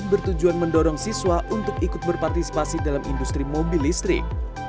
bertujuan mendorong siswa untuk ikut berpartisipasi dalam industri mobil listrik